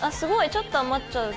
ちょっと余っちゃう。